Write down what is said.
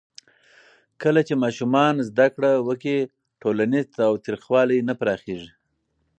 کله چې ماشومان زده کړه وکړي، ټولنیز تاوتریخوالی نه پراخېږي.